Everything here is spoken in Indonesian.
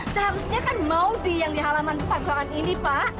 seharusnya kan maudie yang di halaman paguangan ini pak